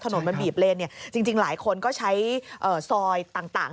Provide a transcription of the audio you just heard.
ถนนมันบีบเลนจริงหลายคนก็ใช้ซอยต่าง